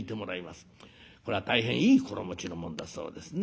これは大変いい心持ちのもんだそうですね。